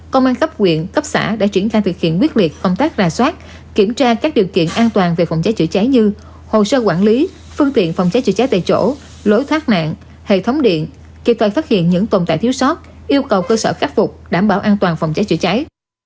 công an cấp quyện cấp xã đã triển khai thực hiện quyết liệt công tác ra soát kiểm tra các điều kiện an toàn về phòng cháy chữa cháy như hồ sơ quản lý phương tiện phòng cháy chữa cháy tại chỗ lối thoát nạn hệ thống điện kì toàn phát hiện những tồn tại thiếu sót yêu cầu cơ sở khắc phục đảm bảo an toàn phòng cháy chữa cháy